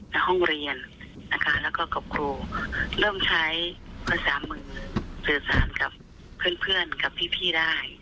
ในห้องเรียนนะคะแล้วก็กับครูเริ่มใช้ภาษามือสื่อสารกับเพื่อนกับพี่ได้